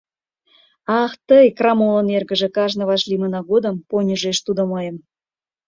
«Ах тый, крамолын эргыже», — кажне вашлиймына годым поньыжеш тудо мыйым.